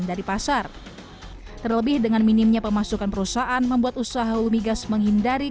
dari pasar terlebih dengan minimnya pemasukan perusahaan membuat usaha hulu migas menghindari